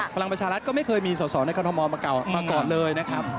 พลังประชารัฐก็ไม่เคยมีสอสอในกรทมมาก่อนเลยนะครับ